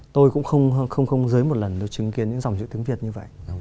tôi cũng không dưới một lần được chứng kiến những dòng chữ tiếng việt như vậy